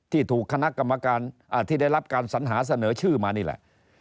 ที่ถูกคณะกรรมการที่ได้รับการสัญหาเสนอชื่อมานี่แหละ